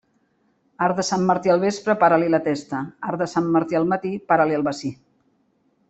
Arc de Sant Martí al vespre, para-li la testa; arc de Sant Martí al matí, para-li el bací.